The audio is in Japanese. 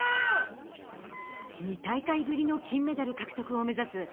２大会ぶりの金メダル獲得を目指す